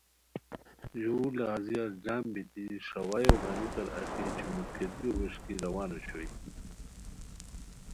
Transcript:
ژور لہازیار جم بیتی ݰاوایو گانیکار اچی چوموٹکیریو ووݰکی روان اوشوئے